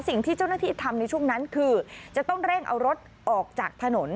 สิ่งที่เจ้าหน้าที่ทำในช่วงนั้นคือจะต้องเร่งเอารถออกจากถนน